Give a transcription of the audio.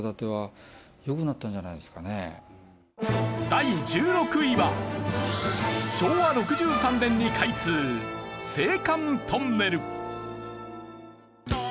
第１６位は昭和６３年に開通青函トンネル。